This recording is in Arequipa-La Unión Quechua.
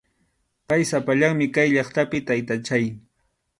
Pay sapallanmi kay llaqtapi, taytachay.